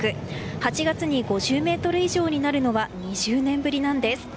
８月に５０メートル以上になるのは２０年ぶりなんです。